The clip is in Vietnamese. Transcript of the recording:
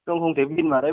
ông không thể viên vào đấy